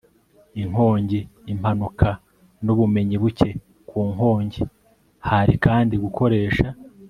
inkongi, impanuka n'ubumenyi buke ku nkongi. hari kandi gukoresha